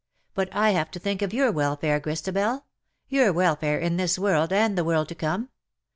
But I have to think of your welfare, Christabel — your welfare in this world and the world to come.